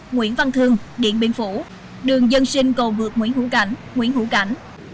nguyễn văn thương điện biên phủ đường dân sinh cầu vượt nguyễn hữu cảnh nguyễn hữu cảnh